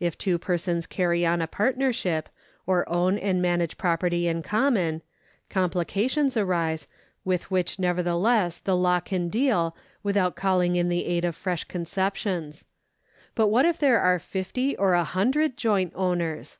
If two persons carry on a partner ship, or own and manage property in common, complications arise, with which nevertheless the law can deal without calling in the aid of fresh conceptions. But what if there are fifty or a hundred joint owners